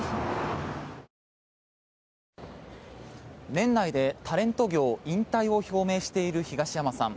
年内でタレント業引退を表明している東山さん。